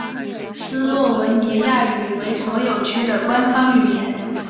斯洛文尼亚语为所有区的官方语言。